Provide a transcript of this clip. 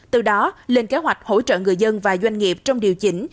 từ đó lên kế hoạch hỗ trợ người dân và doanh nghiệp trong điều chỉnh